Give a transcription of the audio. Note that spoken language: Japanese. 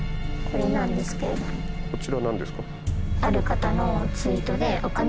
こちら何ですか？